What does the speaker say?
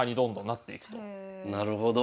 なるほど。